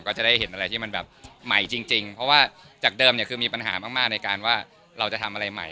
ก็จะได้เห็นอะไรที่มันแบบใหม่จริงเพราะว่าจากเดิมเนี่ยคือมีปัญหามากในการว่าเราจะทำอะไรใหม่